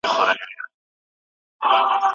عددونه درواغ نه وايي.